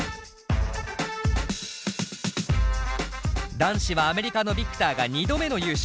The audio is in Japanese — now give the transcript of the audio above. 男子はアメリカのＶｉｃｔｏｒが２度目の優勝。